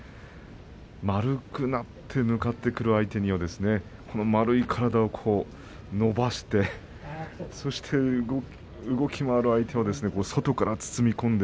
丸くなって向かって来る相手には丸い体を伸ばして動き回る相手は外から包み込んで